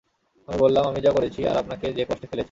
আমি বললাম, আমি যা করেছি আর আপনাকে যে কষ্টে ফেলেছি।